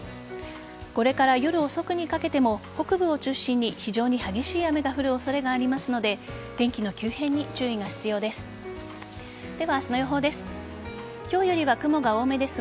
これから夜遅くにかけても北部を中心に非常に激しい雨が降る恐れがありますので天気の急変に注意が必要です。